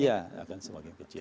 iya akan semakin kecil